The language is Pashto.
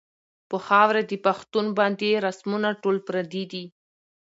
پۀ خاؤره د پښتون باندې رسمونه ټول پردي دي